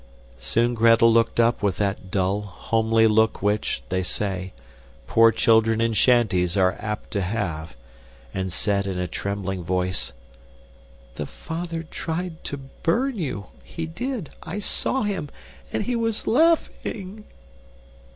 Soon Gretel looked up with that dull, homely look which, they say, poor children in shanties are apt to have, and said in a trembling voice, "The father tried to burn you he did I saw him, and he was LAUGHING!"